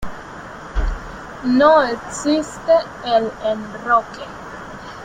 No existe el enroque.